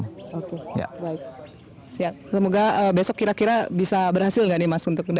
oke baik semoga besok kira kira bisa berhasil gak nih mas untuk mendapat investasi